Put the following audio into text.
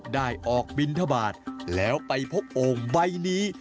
ได้ออกบินทบาทแล้วไปพบองค์ไบนี